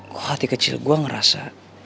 kau hati kecil gua ngerasa